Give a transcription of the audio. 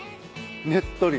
ねっとり。